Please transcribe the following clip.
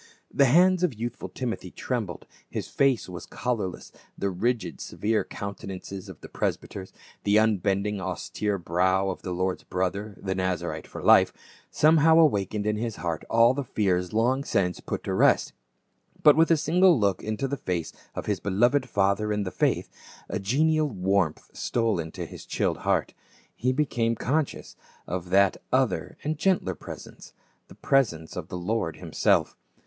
The hands of the youthful Timothy trembled, his face was colorless, the rigid severe countenances of the presbyters, the unbending austere brow of the Lord's brother, that Nazarite for life, somehow awakened in his heart all the fears long since put to rest, but with a single \on]< into the face of his beloved father in the faith a genial warmth stole into his chilled heart ; he became conscious of that other and gentler presence, the presence of the Lord himself.